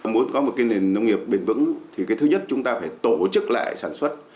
muốn có một nền nông nghiệp bền vững thì thứ nhất chúng ta phải tổ chức lại sản xuất